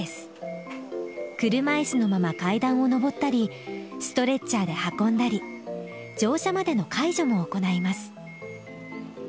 車いすのまま階段を上ったりストレッチャーで運んだり乗車までの介助も行います。